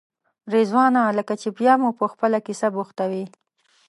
رضوانه لکه چې بیا مو په خپله کیسه بوختوې.